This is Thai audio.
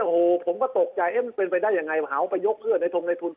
โหผมก็ตกใจเป็นไปได้ยังไงหาไปยกเชื่อในทงในส่วน